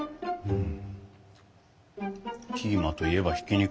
うん？